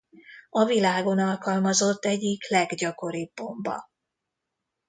A világon alkalmazott egyik leggyakoribb bomba.